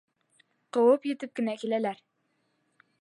Ҡыуып етеп кенә киләләр.